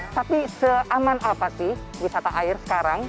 tapi seaman apa sih wisata air sekarang